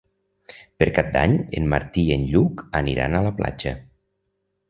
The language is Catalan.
Per Cap d'Any en Martí i en Lluc aniran a la platja.